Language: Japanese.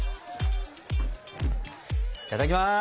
いただきます。